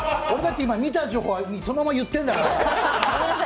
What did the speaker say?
俺だって見た情報をそのまま言ってんだから！